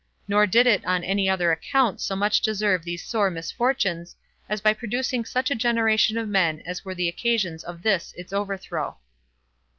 Nor did it on any other account so much deserve these sore misfortunes, as by producing such a generation of men as were the occasions of this its overthrow.